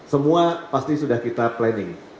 semua pasti sudah kita planning